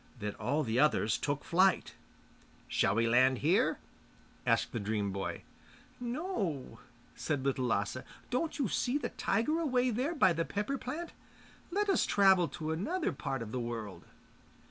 Then all the others took to flight. 'Shall we land here?' asked the dream boy. 'No,' said Little Lasse. 'Don't you see the tiger away there by the pepper plant? Let us travel to another part of the world.